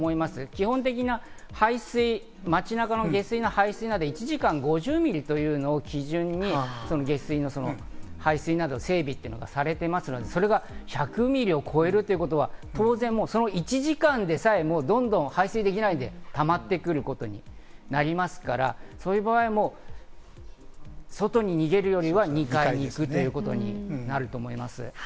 基本的な排水、街中の下水の排水など１時間５０ミリというのを基準に下水の排水など整備されていますので、それが１００ミリを超えるということは当然１時間でさえ排水できないでたまってくることになりますから、そういう場合、外に逃げるよりは２階へということになると思います。